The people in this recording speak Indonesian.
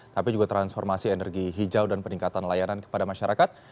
tapi juga transformasi energi hijau dan peningkatan layanan kepada masyarakat